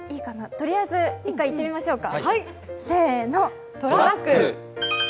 とりあえず１回言ってみましょうか。